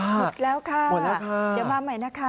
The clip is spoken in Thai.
สุดแล้วค่ะเดี๋ยวมาใหม่นะคะ